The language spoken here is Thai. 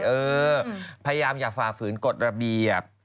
เออพยายามอย่าฝ่าฝืนกฎระเบียบ